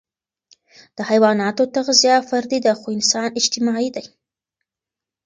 د حيواناتو تغذیه فردي ده، خو انسان اجتماعي دی.